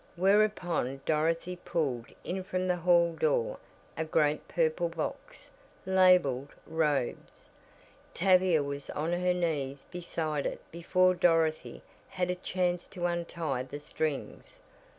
Whereupon Dorothy pulled in from the hall door a great purple box labeled "robes." Tavia was on her knees beside it before Dorothy had a chance to untie the strings.